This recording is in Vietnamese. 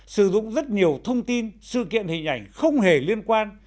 sử dụng rất nhiều thông tin sự kiện hình ảnh không hề liên quan